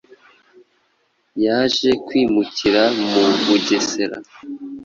Yaje kwimukira mu Bugesera